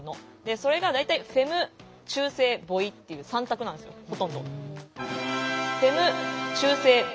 それが大体「フェム」「中性」「ボイ」っていう３択なんですよほとんど。